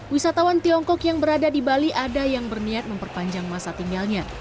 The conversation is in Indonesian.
wisatawan tiongkok yang berada di bali ada yang berniat memperpanjang masa tinggalnya